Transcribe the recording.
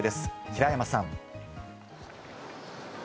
平山さん。